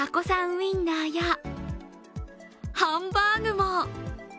ウインナーやハンバーグも。